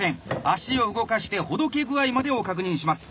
足を動かしてほどけ具合までを確認します。